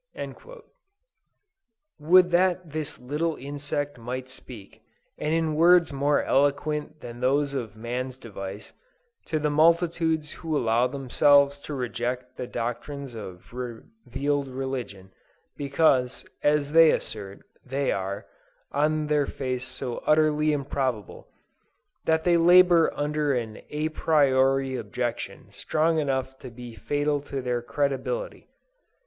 Would that this little insect might speak, and in words more eloquent than those of man's device, to the multitudes who allow themselves to reject the doctrines of revealed religion, because, as they assert, they are, on their face so utterly improbable, that they labor under an a priori objection strong enough to be fatal to their credibility.